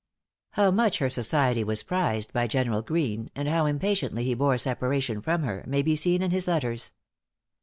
How much her society was prized by General Greene, and how impatiently he bore separation from her, may be seen in his letters.